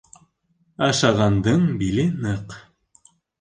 Ашағандың биле ныҡ.